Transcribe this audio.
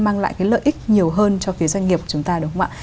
mang lại cái lợi ích nhiều hơn cho phía doanh nghiệp của chúng ta đúng không ạ